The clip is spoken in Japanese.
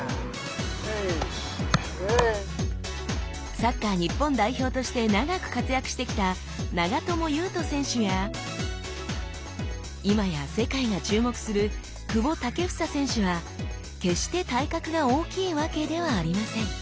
サッカー日本代表として長く活躍してきた長友佑都選手や今や世界が注目する久保建英選手は決して体格が大きいわけではありません。